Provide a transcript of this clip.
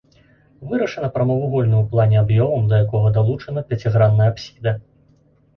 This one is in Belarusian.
Вырашана прамавугольным у плане аб'ёмам, да якога далучана пяцігранная апсіда.